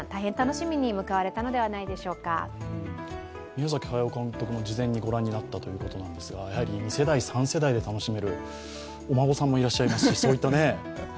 宮崎駿監督も事前にご覧になったということなんですが、やはり２世代、３世代で楽しめる、お孫さんもいらっしゃいますし。